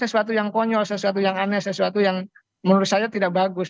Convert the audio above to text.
sesuatu yang konyol sesuatu yang aneh sesuatu yang menurut saya tidak bagus